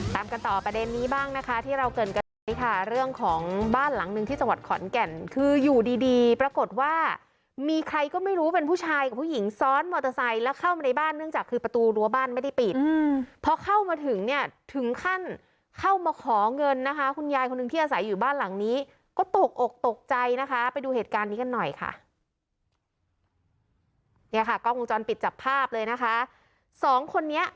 ตามกันต่อประเด็นนี้บ้างนะคะที่เราเกิดกันค่ะเรื่องของบ้านหลังนึงที่สวรรค์ขอนแก่นคืออยู่ดีดีปรากฏว่ามีใครก็ไม่รู้เป็นผู้ชายกับผู้หญิงซ้อนมอเตอร์ไซน์แล้วเข้ามาในบ้านเนื่องจากคือประตูรั้วบ้านไม่ได้ปิดพอเข้ามาถึงเนี่ยถึงขั้นเข้ามาของเงินนะคะคุณยายคนนึงที่อาศัยอยู่บ้านหลังนี้ก็ตกอกตกใจ